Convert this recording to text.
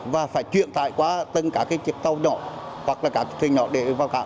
và phải chuyển thải qua tầng cá cái chiếc tàu nhỏ hoặc là cả chiếc tàu nhỏ để vào cả